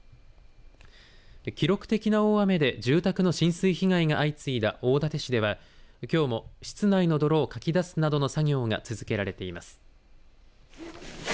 記録的な大雨で住宅の浸水被害が相次いだ大館市ではきょうも室内の泥をかき出すなどの作業が続けられています。